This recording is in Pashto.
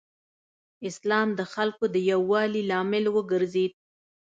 اسلام د خلکو د یووالي لامل وګرځېد.